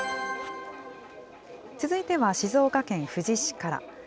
続いては静岡県富士市から。